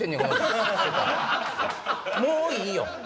もういいよ。